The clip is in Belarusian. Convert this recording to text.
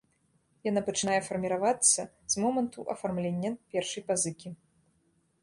Яна пачынае фарміравацца з моманту афармлення першай пазыкі.